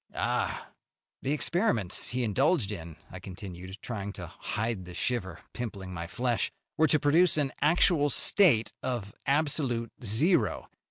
"Ah!" "The experiments he indulged in," I continued, trying to hide the shiver pimpling my flesh, "were to produce an actual state of absolute zero.